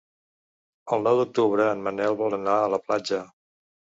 El nou d'octubre en Manel vol anar a la platja.